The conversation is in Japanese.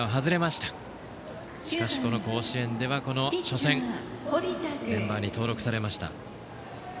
しかし、この甲子園ではこの初戦メンバーに登録されました。